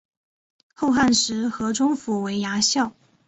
后汉时河中府为牙校。